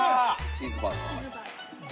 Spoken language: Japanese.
チーズバーガーです。